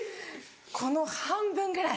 この半分ぐらい！